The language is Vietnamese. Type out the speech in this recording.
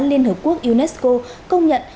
liên hợp quốc unesco công nhận